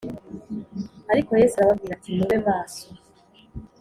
Ariko Yesu arababwira ati mube maso